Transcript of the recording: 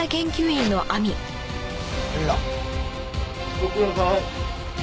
ご苦労さん。